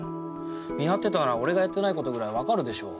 見張ってたなら俺がやってない事ぐらいわかるでしょう。